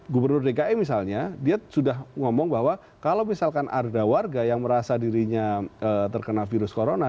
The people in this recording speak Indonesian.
gubernur dki misalnya dia sudah ngomong bahwa kalau misalkan ada warga yang merasa dirinya terkena virus corona